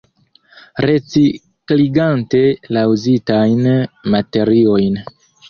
Recikligante la uzitajn materiojn.